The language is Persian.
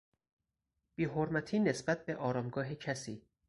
بیحرمتی نسبت به آرامگاه کسی